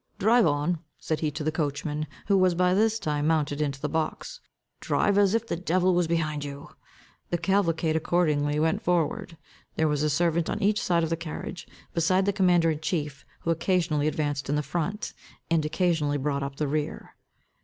"Drive on," said he to the coachman, who was by this time mounted into the box, "Drive, as if the devil was behind you." The cavalcade accordingly went forward. There was a servant on each side of the carriage, beside the commander in chief, who occasionally advanced in the front, and occasionally brought up the rear.